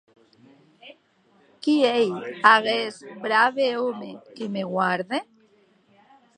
Qui ei aguest brave òme que me guarde?